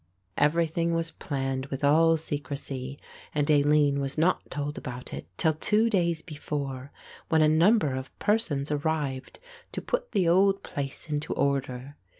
Everything was planned with all secrecy and Aline was not told about it till two days before, when a number of persons arrived to put the old place into order.